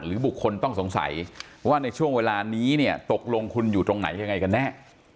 บุคคลต้องสงสัยว่าในช่วงเวลานี้เนี่ยตกลงคุณอยู่ตรงไหนยังไงกันแน่